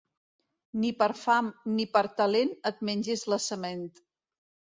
Ni per fam ni per talent et mengis la sement.